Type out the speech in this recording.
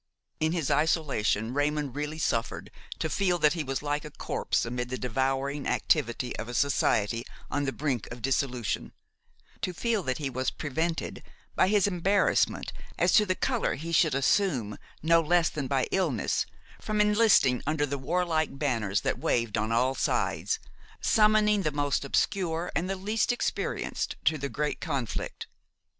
In his isolation Raymon really suffered to feel that he was like a corpse amid the devouring activity of a society on the brink of dissolution, to feel that he was prevented, by his embarrassment as to the color he should assume no less than by illness, from enlisting under the warlike banners that waved on all sides, summoning the most obscure and the least experienced to the great conflict.